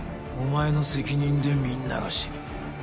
お前の責任でみんなが死ぬ。